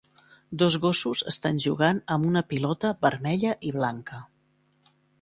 Dos gossos estan jugant amb una pilota vermella i blanca